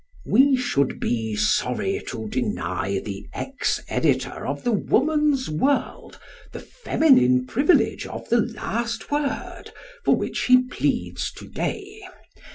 We should be sorry to deny the ex editor of the Woman's World the feminine privilege of "the last word" for which he pleads to day.